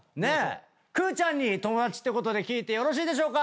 くぅちゃんに友達ってことで聞いてよろしいでしょうか？